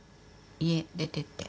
家出てって。